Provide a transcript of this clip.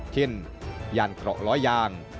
เช่นยานเกราะล้อยาง